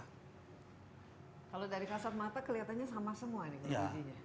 kalau dari kasar mata kelihatannya sama semua ini